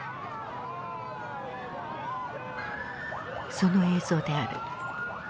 その映像である。